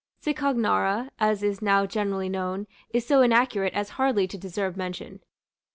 Cicognara, as is now generally known, is so inaccurate as hardly to deserve mention.